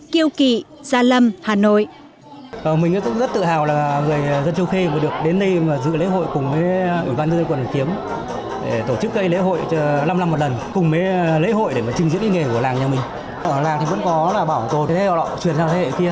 kiêu kỵ gia lâm hà nội